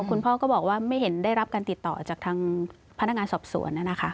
คุณพ่อก็บอกว่าไม่เห็นได้รับการติดต่อจากทางพนักงานสอบสวน